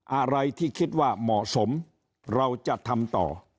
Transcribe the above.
อะไรที่คิดว่าเหมาะสมเราจะทำต่อ